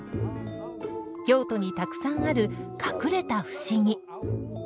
京都にたくさんある隠れた不思議。